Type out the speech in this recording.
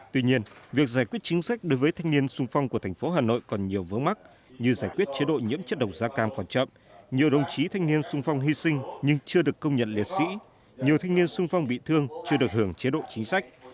tuy nhiên việc giải quyết chính sách đối với thanh niên sung phong của thành phố hà nội còn nhiều vướng mắt như giải quyết chế độ nhiễm chất độc da cam còn chậm nhiều đồng chí thanh niên sung phong hy sinh nhưng chưa được công nhận liệt sĩ nhiều thanh niên sung phong bị thương chưa được hưởng chế độ chính sách